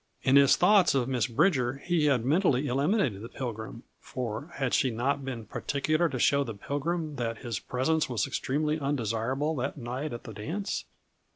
In his thoughts of Miss Bridger he had mentally eliminated the Pilgrim; for had she not been particular to show the Pilgrim that his presence was extremely undesirable, that night at the dance?